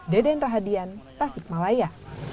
deden rahadian tasikmalaya